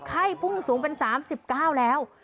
พุ่งสูงเป็น๓๙แล้ว